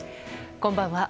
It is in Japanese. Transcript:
こんばんは。